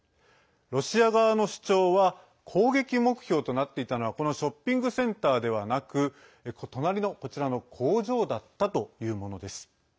ロシア側の主張は攻撃目標となっていたのはこのショッピングセンターではなく隣の、こちらの工場だったというものです。